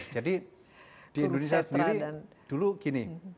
jadi di indonesia sendiri dulu gini